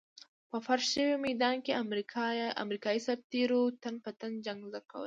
په فرش شوي ميدان کې امريکايي سرتېرو تن په تن جنګ زده کول.